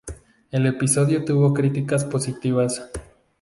El episodio tuvo críticas positivas.